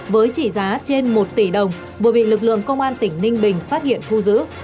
với trị giá trên một tỷ đồng vừa bị lực lượng công an tỉnh ninh bình phát hiện thu giữ